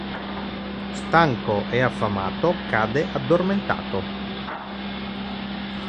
Stanco e affamato, cade addormentato.